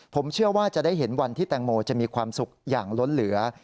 ผมเชื่อว่าจะได้เห็นวันที่แตงโมจะมีความสุขอย่างล้นเหลือ